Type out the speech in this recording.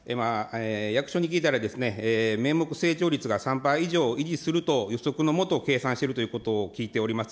役所に聞いたら、名目成長率が３パー以上維持すると予測の下、計算しているということを聞いております。